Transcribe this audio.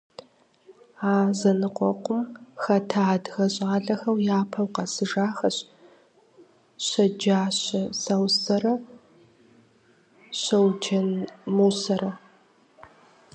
А зэныкъуэкъум хэта адыгэ щӏалэхэу япэу къэсыжахэщ Щэджащэ Сэусэррэ Щэуджэн Мусэрэ.